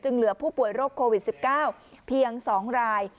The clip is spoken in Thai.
เหลือผู้ป่วยโรคโควิด๑๙เพียง๒ราย